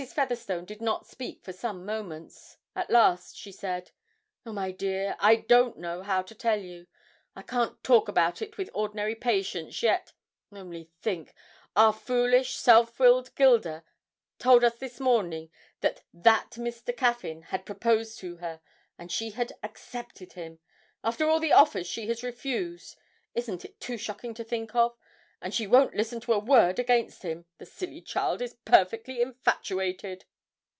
Featherstone did not speak for some moments. At last she said: 'Oh, my dear, I don't know how to tell you I can't talk about it with ordinary patience yet only think, our foolish, self willed Gilda told us this morning that that Mr. Caffyn had proposed to her and she had accepted him after all the offers she has refused isn't it too shocking to think of? And she won't listen to a word against him, the silly child is perfectly infatuated!'